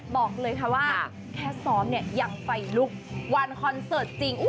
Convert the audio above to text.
บอกเลยค่ะว่าแค่ซ้อมเนี่ยยังไฟลุกวันคอนเสิร์ตจริง